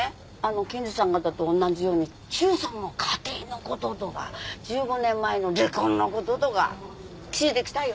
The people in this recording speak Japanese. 刑事さん方と同じように久さんの家庭の事とか１５年前の離婚の事とか聞いてきたよ。